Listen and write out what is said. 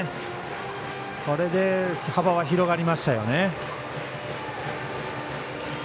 これで幅が広がりましたね。